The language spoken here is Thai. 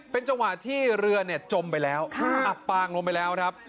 เป็นจังหวะที่เรือจมไปแล้วอับปางลงไปแล้วครับ